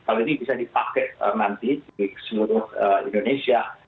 kalau ini bisa dipakai nanti di seluruh indonesia